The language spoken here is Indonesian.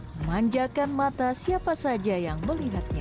memanjakan mata siapa saja yang melihatnya